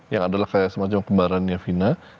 yang adalah kayak semacam kembarannya vina